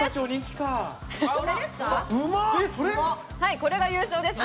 はい、これが優勝です。